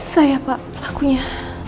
saya pak pelakunya